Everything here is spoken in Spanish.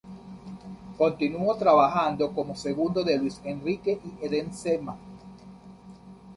Continuó trabajando como segundo de Luis Enrique y Zdeněk Zeman.